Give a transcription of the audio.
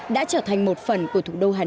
đã trở thành một phần của thủ đô hà nội